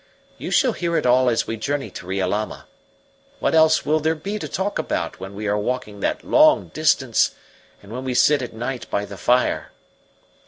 You shall hear it all as we journey to Riolama. What else will there be to talk about when we are walking that long distance, and when we sit at night by the fire?"